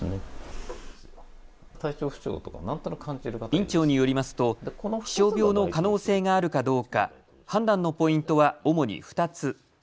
院長によりますと気象病の可能性があるかどうか判断のポイントは主に２つ。